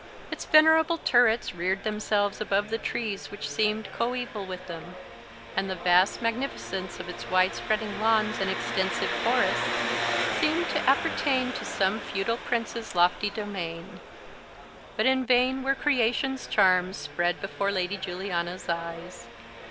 Its venerable turrets reared themselves above the trees which seemed coeval with them; and the vast magnificence of its wide spreading lawns and extensive forests seemed to appertain to some feudal prince's lofty domain. But in vain were creation's charms spread before Lady Juliana's eyes.